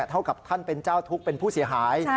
เท่ากับท่านเป็นเจ้าทุกข์เป็นผู้เสียหาย